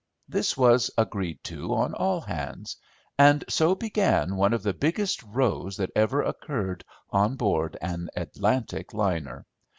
This was agreed to on all hands, and so began one of the biggest rows that ever occurred on board an Atlantic liner.